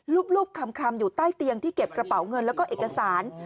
รูปคลำอยู่ใต้เตียงที่เก็บกระเป๋าเงินแล้วก็เอกสาร